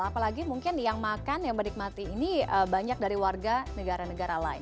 apalagi mungkin yang makan yang menikmati ini banyak dari warga negara negara lain